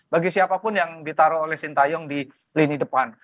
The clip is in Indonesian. bagi siapapun yang ditaruh oleh sintayong di lini depan